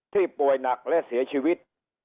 ป่วยหนักและเสียชีวิต